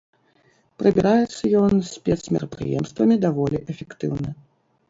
Прыбіраецца ён спецмерапрыемствамі даволі эфектыўна.